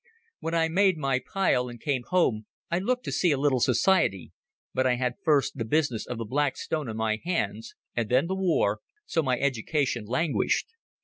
When I made my pile and came home I looked to see a little society, but I had first the business of the Black Stone on my hands, and then the war, so my education languished.